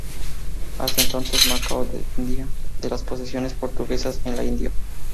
Hasta entonces, Macao dependía de las posesiones portuguesas en la India.